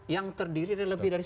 yang terdiri dari lebih dari